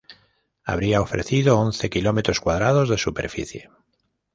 Habría ofrecido once kilómetros cuadrados de superficie.